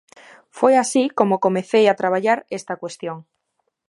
Foi así como comecei a traballar esta cuestión.